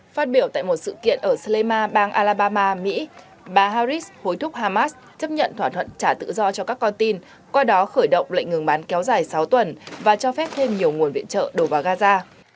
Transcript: phát biểu tại một sự kiện ở slema bang alabama mỹ bà harris hối thúc hamas chấp nhận thỏa thuận trả tự do cho các con tin qua đó khởi động lệnh ngừng bắn kéo dài sáu tuần và cho phép thêm nhiều nguồn viện trợ đổ vào gaza